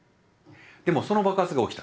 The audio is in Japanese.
でもその爆発が起きた。